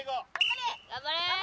頑張れ！